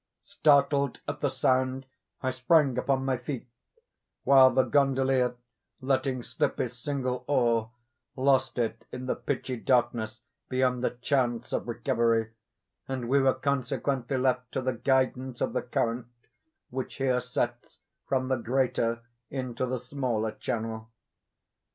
Startled at the sound, I sprang upon my feet: while the gondolier, letting slip his single oar, lost it in the pitchy darkness beyond a chance of recovery, and we were consequently left to the guidance of the current which here sets from the greater into the smaller channel.